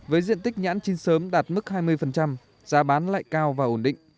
với diện tích nhãn chín sớm đạt mức hai mươi giá bán lại cao và ổn định